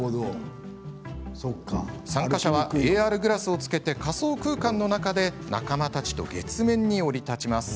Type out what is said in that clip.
参加者はＡＲグラスを着けて仮想空間の中で仲間たちと月面に降り立ちます。